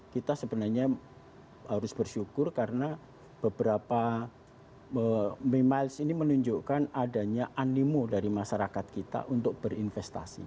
kita sebenarnya harus bersyukur karena beberapa mimiles ini menunjukkan adanya animo dari masyarakat kita untuk berinvestasi